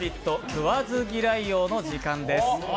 食わず嫌い王」の時間です。